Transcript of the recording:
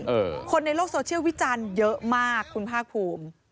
มีที่เชื่อวิจันทร์เยอะมากคุณภาพูม